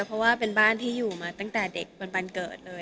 เพราะว่าเป็นบ้านที่อยู่มาตั้งแต่เด็กเป็นวันเกิดเลย